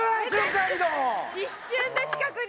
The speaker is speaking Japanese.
一瞬で近くに。